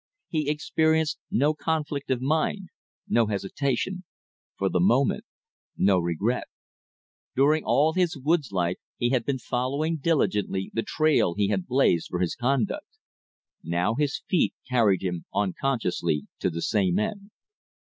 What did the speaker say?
He experienced no conflict of mind; no hesitation; for the moment, no regret. During all his woods life he had been following diligently the trail he had blazed for his conduct. Now his feet carried him unconsciously to the same end.